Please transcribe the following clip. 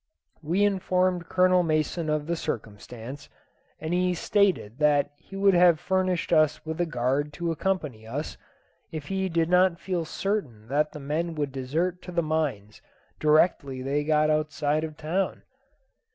We informed Colonel Mason of the circumstance, and he stated that he would have furnished us with a guard to accompany us, if he did not feel certain that the men would desert to the mines directly they got outside the town.